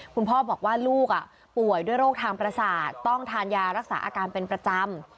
คุณพ่อบอกว่าลูกป่วยด้วยโรคทางประสาทต้องทานยารักษาอาการเป็นประจำ